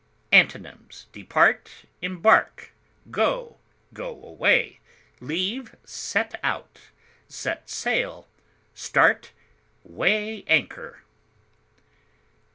Antonyms: depart, go, go away, leave, set out, set sail, start, weigh anchor.